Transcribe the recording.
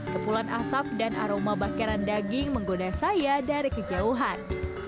kepulan asap dan aroma bakaran daging menggoda saya dari kejauhan